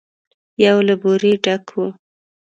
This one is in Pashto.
يو له بورې ډک و.